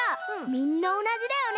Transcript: みんなおなじだよね？